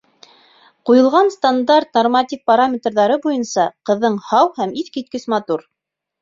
Ҡуйылған стандарт норматив параметрҙары буйынса ҡыҙың һау һәм иҫ киткес матур.